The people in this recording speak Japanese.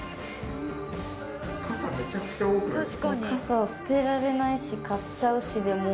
傘捨てられないし買っちゃうしでもう。